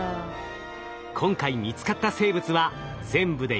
今回見つかった生物は全部で４種類。